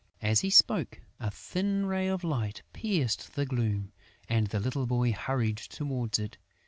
As he spoke, a thin ray of light pierced the gloom; and the little boy hurried towards it.